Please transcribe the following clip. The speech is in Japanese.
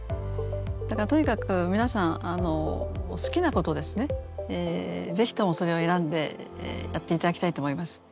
だからとにかく皆さん好きなことをですね是非ともそれを選んでやっていただきたいと思います。